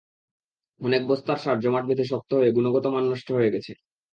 অনেক বস্তার সার জমাট বেঁধে শক্ত হয়ে গুণগত মান নষ্ট হয়ে গেছে।